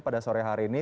pada sore hari ini